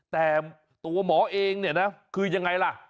แต่ตัวหมอเองเนี่ยนะคือยังไงล่ะ